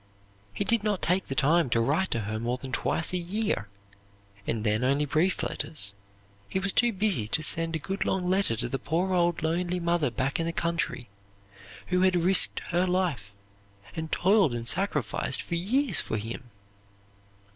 He did not take the time to write to her more than twice a year, and then only brief letters. He was too busy to send a good long letter to the poor old lonely mother back in the country, who had risked her life and toiled and sacrificed for years for him!